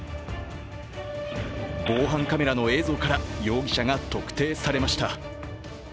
防犯カメラの映像から容疑者が特定されました。